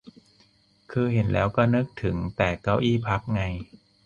คือเห็นแล้วก็นึกถึงแต่เก้าอี้พับไง